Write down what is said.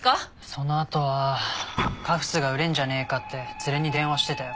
そのあとはカフスが売れるんじゃねえかってツレに電話してたよ。